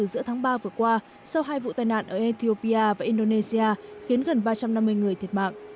giữa tháng ba vừa qua sau hai vụ tai nạn ở ethiopia và indonesia khiến gần ba trăm năm mươi người thiệt mạng